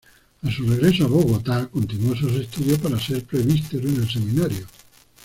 A su regreso a Bogotá, continuó sus estudios para ser presbítero en el seminario.